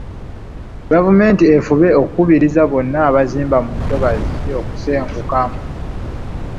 Gavumenti efube okukubiriza bonna abaazimba mu ntobazi okuzisengukamu.